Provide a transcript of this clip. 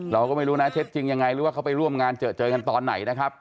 เราก็ไม่รู้นะเท็จจริงยังไงหรือว่าเขาไปร่วมงานเจอเจอกันตอนไหนนะครับ